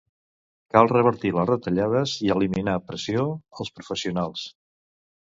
Cal revertir les retallades i eliminar pressió als professionals.